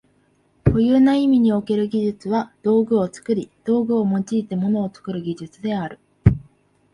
固有な意味における技術は道具を作り、道具を用いて物を作る技術である。